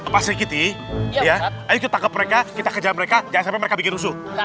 pasri kita ya kita ke mereka kita kejar mereka jangan sampai mereka bikin rusuh